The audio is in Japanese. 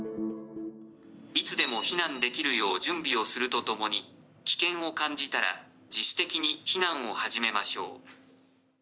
いつでも避難できるよう準備するとともに危険を感じたら自主的に避難を始めましょう。